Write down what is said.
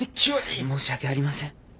申し訳ありません。